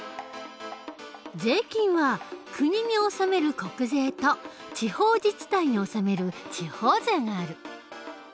税金は国に納める国税と地方自治体に納める地方税がある。